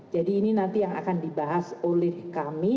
jadi ini nanti yang akan dibahas oleh kami